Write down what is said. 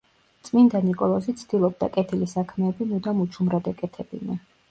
წმიდა ნიკოლოზი ცდილობდა, კეთილი საქმეები მუდამ უჩუმრად ეკეთებინა.